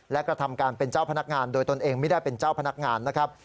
และกระทำการเป็นเจ้าพนักงานโดยตนเองไม่ได้เป็นเจ้าพนักงานนะครับ